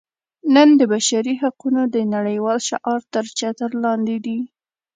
نن د بشري حقونو د نړیوال شعار تر چتر لاندې دي.